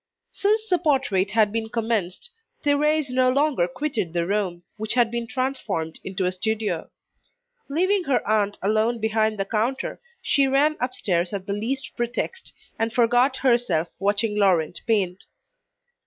Since the portrait had been commenced, Thérèse no longer quitted the room, which had been transformed into a studio. Leaving her aunt alone behind the counter, she ran upstairs at the least pretext, and forgot herself watching Laurent paint.